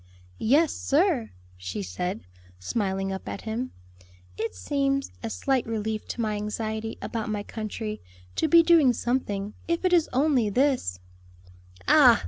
"Yes, sir," she said, smiling up at him, "it seems a slight relief to my anxiety about my country, to be doing something, if it is only this." "Ah!